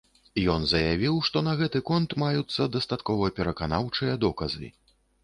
Ён заявіў, што на гэты конт маюцца дастаткова пераканаўчыя доказы.